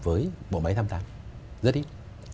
với bộ máy thăm tăng rất ít